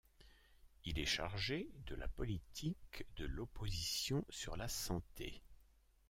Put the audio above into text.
Il est chargé de la politique de l'opposition sur la santé.